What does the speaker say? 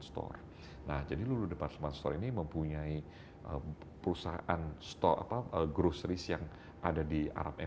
store nah jadi lulu departemen store ini mempunyai perusahaan stock apa groceries yang ada di arab